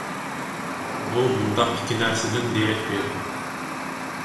بۇ مۇنداق ئىككى نەرسىدىن دېرەك بېرىدۇ.